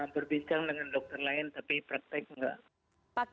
berbincang dengan dokter lain tapi praktek enggak